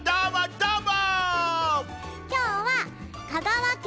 どーも！